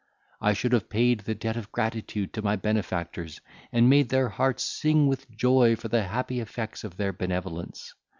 I should have paid the debt of gratitude to my benefactors, and made their hearts sing with joy for the happy effects of their benevolence.